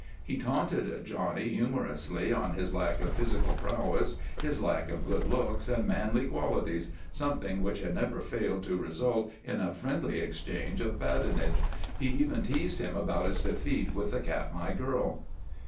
He taunted Johnny humorously on his lack of physical prowess, his lack of good looks and manly qualities something which had never failed to result in a friendly exchange of badinage; he even teased him about his defeat with the Katmai girl.